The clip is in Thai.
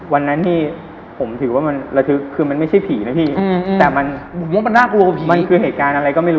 วันนั้นนี่ผมถึงว่ามันคือมันไม่ใช่ผีนะพี่